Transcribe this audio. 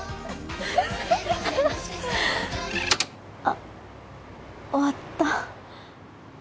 あっ終わった。